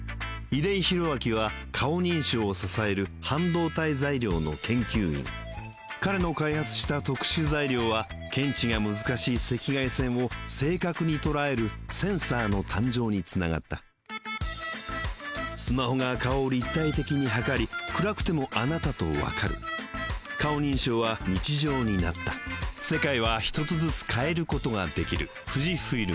出井宏明は顔認証を支える半導体材料の研究員彼の開発した特殊材料は検知が難しい赤外線を正確に捉えるセンサーの誕生につながったスマホが顔を立体的に測り暗くてもあなたとわかる顔認証は日常になったワン・ツー・スリー！